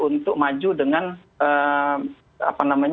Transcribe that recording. untuk maju dengan